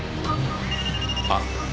あっ。